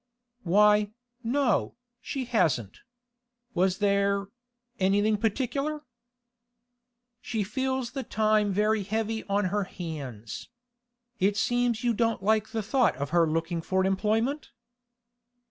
'Why, no, she hasn't. Was there—anything particular?' 'She feels the time very heavy on her hands. It seems you don't like the thought of her looking for employment?